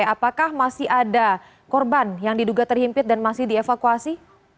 apakah masih ada korban yang diduga terhimpit dan masih dievakuasi